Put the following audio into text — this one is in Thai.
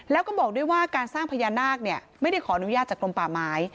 แล้วก็บอกด้วยว่าการสร้างพญานาคไม่ได้ขออนุญาตจากกลมป่าไม้